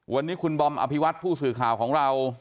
วันนี้คุณบอมอภิวัตผู้สื่อข่าวของเรา